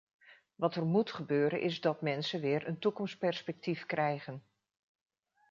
Wat er moet gebeuren is dat mensen weer een toekomstperspectief krijgen.